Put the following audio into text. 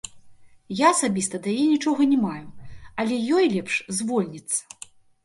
Я асабіста да яе нічога не маю, але ёй лепш звольніцца.